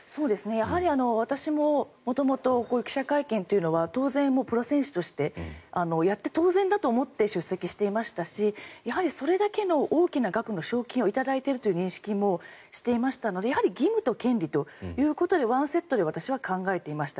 やはり私も元々こういう記者会見というのは当然、プロ選手としてやって当然だと思って出席していましたしそれだけの大きな額の賞金を頂いているという認識もしていましたのでやはり義務と権利ということでワンセットで私は考えていました。